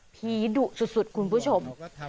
พีชดุกก้อน่อยครับคุณผู้ชม